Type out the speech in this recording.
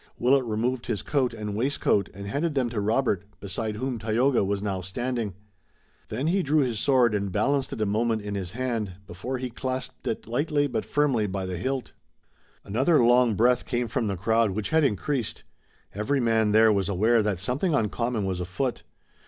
Willet removed his coat and waistcoat and handed them to Robert, beside whom Tayoga was now standing. Then he drew his sword and balanced it a moment in his hand, before he clasped it lightly but firmly by the hilt. Another long breath came from the crowd which had increased. Every man there was aware that something uncommon was afoot.